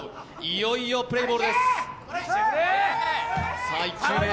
いよいよプレーボールです。